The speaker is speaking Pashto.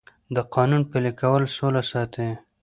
د قانون پلي کول سوله ساتي